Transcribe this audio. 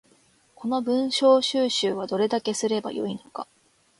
この文章収集はどれだけすれば良いのか